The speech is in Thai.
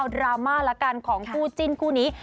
ดราม่าละกันของคู่จิ้นคู่นี้